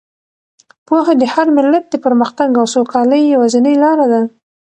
پوهه د هر ملت د پرمختګ او سوکالۍ یوازینۍ لاره ده.